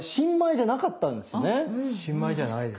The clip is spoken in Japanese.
新米じゃないです。